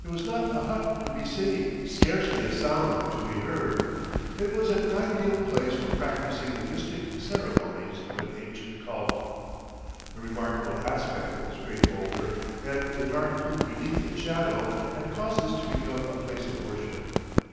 There was not a hut to be seen; scarcely a sound to be heard. It was an ideal place for practicing the mystic ceremonies of an ancient cult. The remarkable aspect of this great boulder and the dark pool beneath its shadow had caused this to become a place of worship.